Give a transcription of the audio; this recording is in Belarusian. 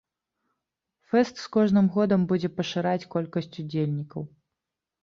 Фэст з кожным годам будзе пашыраць колькасць удзельнікаў.